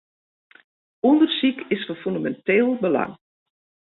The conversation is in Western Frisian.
Undersyk is fan fûneminteel belang.